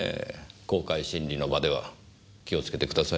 公開審理の場では気をつけてください。